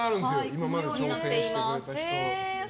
今まで挑戦してくれた人の。